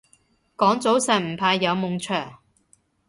講早晨唔怕有悶場